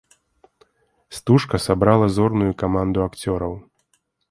Стужка сабрала зорную каманду акцёраў.